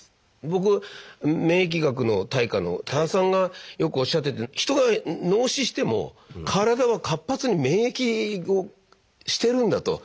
僕免疫学の大家の多田さんがよくおっしゃってて人が脳死しても体は活発に免疫をしてるんだと。